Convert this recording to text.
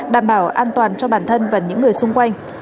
đảm bảo an toàn cho bản thân và những người xung quanh